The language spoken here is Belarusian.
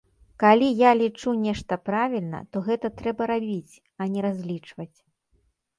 Калі я лічу нешта правільна, то гэта трэба рабіць, а не разлічваць.